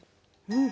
うん。